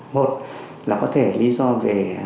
một là có thể lý do về